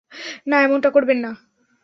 না, এমনটা করবেন না।